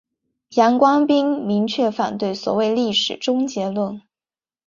杨光斌明确反对所谓历史终结论。